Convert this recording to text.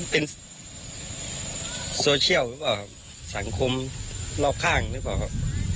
เป็นโซเชียลหรือเปล่าสังคมรอบข้างหรือเปล่าครับ